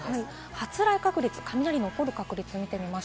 発雷確率、雷の起こる確率です。